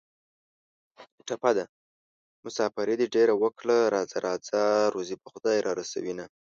ټپه ده: مسافري دې ډېره وکړه راځه راځه روزي به خدای را رسوینه